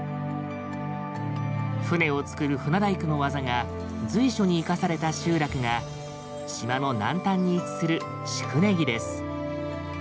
船をつくる船大工の技が随所に生かされた集落が島の南端に位置する宿根木です。